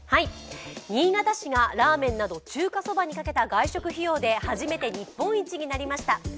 新潟市がラーメンなど中華そばにかけた外食費用で初めて日本一になりました。